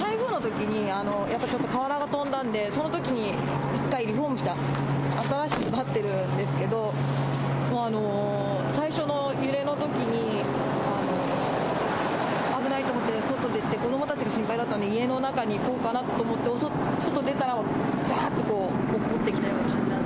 台風のときに、やっぱちょっと瓦が飛んだんで、そのときに一回リフォームした、新しくなってるんですけど、最初の揺れのときに、危ないと思って外出て、子どもたちが心配だったんで、家の中に行こうかなと思って外出たら、ざーっとおっこってきたような感じですね。